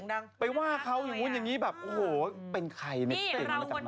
จริงไปว่าเขาอย่างนู้นอย่างนี้แบบโอ้โหเป็นใครไม่เต็มแล้วกันไหมวะ